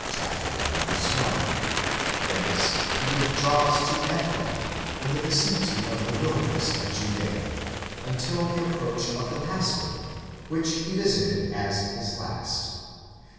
1), whence he withdraws to Ephraim, in the vicinity of the wilderness of Judea, until the approach of the passover, which he visited as his last (xii.